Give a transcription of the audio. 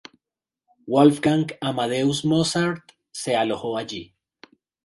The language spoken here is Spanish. Wolfgang Amadeus Mozart se alojó allí.